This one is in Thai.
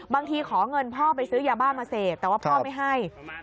ขอเงินพ่อไปซื้อยาบ้ามาเสพแต่ว่าพ่อไม่ให้